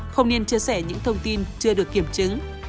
không nên chia sẻ những thông tin chưa được kiểm chứng